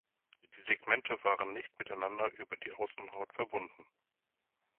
Die Segmente waren nicht miteinander über die Außenhaut verbunden.